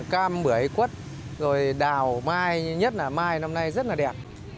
cam bưởi quất đào mai nhất là mai năm nay rất đẹp